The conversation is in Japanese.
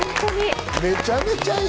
めちゃめちゃいい！